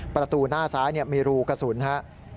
ประตูหน้าซ้ายมีรูกระสุนครับ